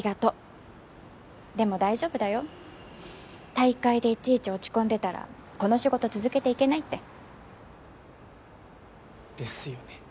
退会でいちいち落ち込んでたらこの仕事続けていけないって。ですよね。